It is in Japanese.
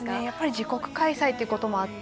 自国開催ということもあって